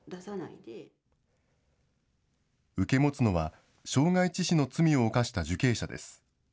受け持つのは、傷害致死の罪を犯した受刑者です。